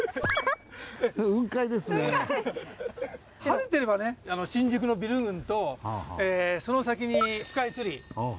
晴れていればね新宿のビル群とその先にスカイツリー。